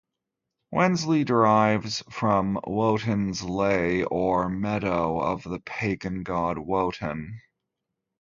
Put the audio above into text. Wensley derives from Woden's ley, or meadow of the pagan god Woden.